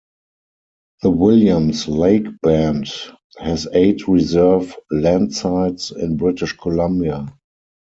The Williams Lake Band has eight reserve landsites in British Columbia.